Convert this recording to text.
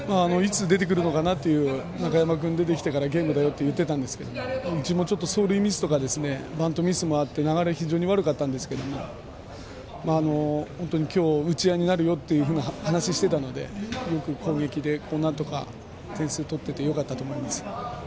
いつ出るかなと中山君が出てからがゲームだよって言ってたんですけどうちも走塁ミスとかバントミスもあって流れが非常に悪かったんですが本当に今日打ち合いになるよという話をしていたのでよく攻撃で点数とってよかったと思います。